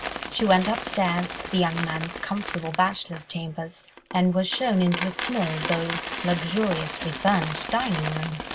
She went upstairs to the young man's comfortable bachelor's chambers, and was shown into a small, though luxuriously furnished, dining room.